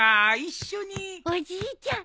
おじいちゃん